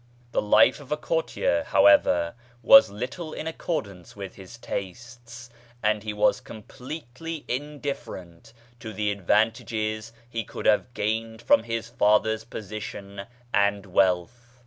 The life of a courtier, however, was little in accordance with his tastes, and he was completely indifferent to the advantages he could have gained from his father's position and wealth.